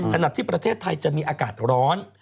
ขณะที่ประเทศไทยจะมีอากาศร้อน